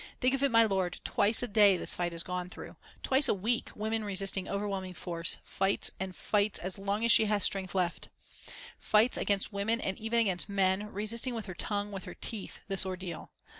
Think of it, my lord, twice a day this fight is gone through. Twice a day a weak woman resisting overwhelming force, fights and fights as long as she has strength left; fights against women and even against men, resisting with her tongue, with her teeth, this ordeal.